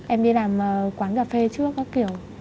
em đi làm quán cà phê trước đó kiểu